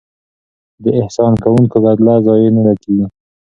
د احسان کوونکو بدله ضایع نه کیږي.